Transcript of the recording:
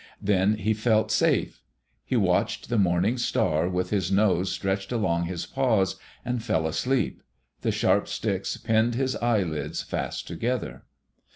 Then he felt safe. He watched the morning star, with his nose stretched along his paws, and fell asleep. The sharp sticks pinned his eyelids fast together.